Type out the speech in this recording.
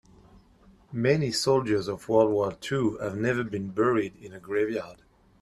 Many soldiers of world war two have never been buried on a grave yard.